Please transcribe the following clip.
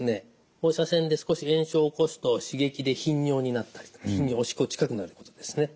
放射線で少し炎症を起こすと刺激で頻尿になったりとかおしっこ近くなるということですね。